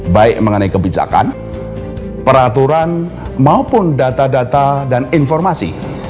baik mengenai kebijakan peraturan maupun data data dan informasi